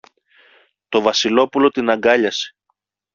Το Βασιλόπουλο την αγκάλιασε.